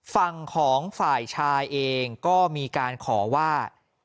ฝั่งของฝ่ายชายเองก็มีการขอว่า